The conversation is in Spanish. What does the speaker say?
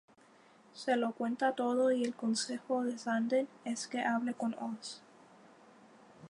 Se lo cuenta todo y el consejo de Xander es que hable con Oz.